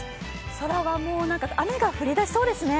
空はもう雨が降りだしそうですね。